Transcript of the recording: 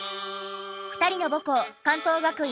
２人の母校関東学院